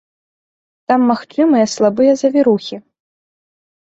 Там магчымыя слабыя завірухі.